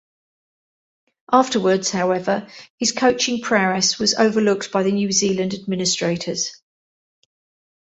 Afterwards, however, his coaching prowess was overlooked by the New Zealand administrators.